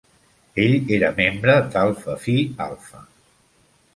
Ell era membre d'Alpha Phi Alpha.